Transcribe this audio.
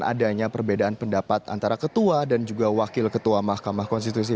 adanya perbedaan pendapat antara ketua dan juga wakil ketua mahkamah konstitusi